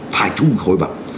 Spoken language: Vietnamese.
phải thu hồi bằng